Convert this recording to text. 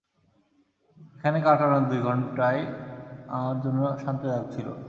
এখানে কাটানো দু ঘন্টাই আমার জন্য শান্তিদায়ক ছিল।